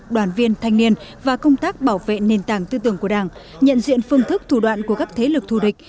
đoàn viên thanh niên và công tác bảo vệ nền tảng tư tưởng của đảng nhận diện phương thức thủ đoạn của các thế lực thù địch